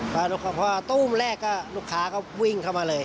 พอตู้มแรกก็ลูกค้าก็วิ่งเข้ามาเลย